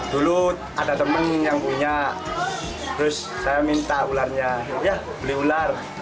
dulu ada temen yang punya terus saya minta ularnya ya beli ular